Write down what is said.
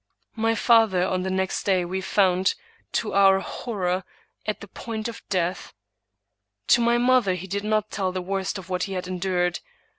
My ISO Thomas De Quincey father, on the next day, we found, to our horror, at the point of death. To my mother he did not tell the worst of what he had endured.